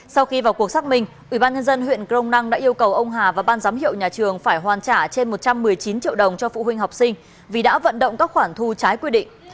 sau khi vào cuộc xác minh ubnd huyện crom năng đã yêu cầu ông hà và ban giám hiệu nhà trường phải hoàn trả trên một trăm một mươi chín triệu đồng cho phụ huynh học sinh vì đã vận động các khoản thu trái quy định